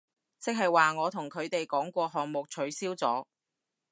即係話我同佢哋講個項目取消咗